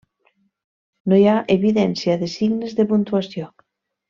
No hi ha evidència de signes de puntuació.